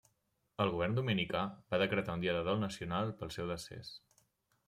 El govern dominicà va decretar un dia de dol nacional pel seu decés.